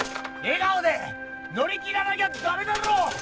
笑顔で乗り切らなきゃダメだろ！